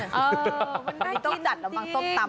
เออมันได้จริงจริง